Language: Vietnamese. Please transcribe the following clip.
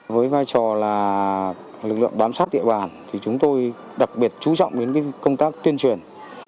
với vai trò là lực lượng bám sát địa bàn thì chúng tôi đặc biệt chú trọng đến công tác tuyên truyền